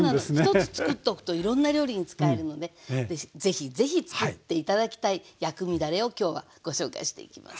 １つつくっとくといろんな料理に使えるので是非是非つくって頂きたい薬味だれを今日はご紹介していきます。